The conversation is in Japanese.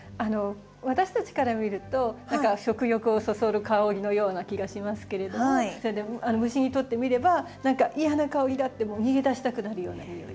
私たちから見ると何か食欲をそそる香りのような気がしますけれども虫にとってみれば何か嫌な香りだってもう逃げ出したくなるような匂い。